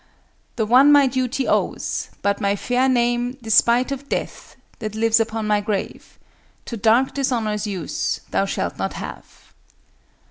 The one my duty owes; but my fair name, Despite of death, that lives upon my grave, To dark dishonor's use, thou shalt not have."